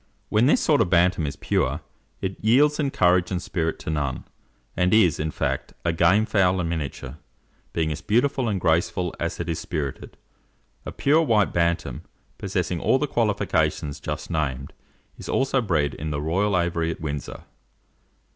When this sort of Bantam is pure, it yields in courage and spirit to none, and is, in fact, a game fowl in miniature, being as beautiful and graceful as it is spirited. A pure white Bantam, possessing all the qualifications just named, is also bred in the royal aviary at Windsor.